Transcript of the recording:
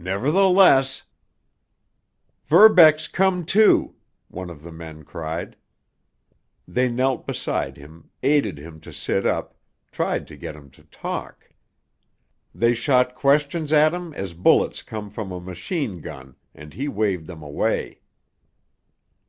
"Nevertheless——" "Verbeck's come to!" one of the men cried. They knelt beside him, aided him to sit up, tried to get him to talk. They shot questions at him as bullets come from a machine gun, and he waved them away.